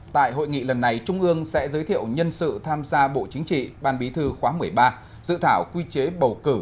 tại hội nghị lần này trung ương sẽ giới thiệu nhân sự tham gia bộ chính trị ban bí thư khóa một mươi ba dự thảo quy chế bầu cử